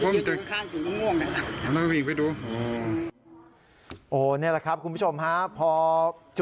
ตรงนี้คนอยู่ข้างบนสีอีกสีม่วง